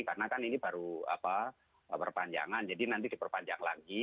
karena kan ini baru perpanjangan jadi nanti diperpanjang lagi